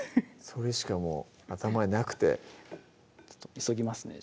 それしかもう頭になくて急ぎますね